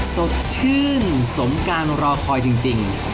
สดชื่นสมการรอคอยจริง